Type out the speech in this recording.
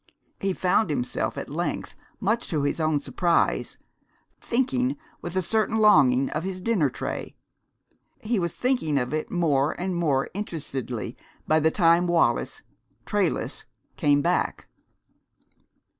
He found himself, at length, much to his own surprise, thinking with a certain longing of his dinner tray. He was thinking of it more and more interestedly by the time Wallis trayless came back.